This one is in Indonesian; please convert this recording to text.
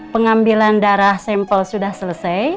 pengambilan darah sampel sudah selesai